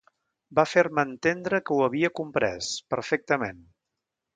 Va fer-me entendre que ho havia comprés, perfectament.